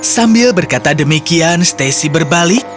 sambil berkata demikian stacy berbalik